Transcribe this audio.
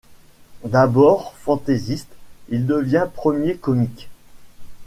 D’abord fantaisiste, il devient premier comique.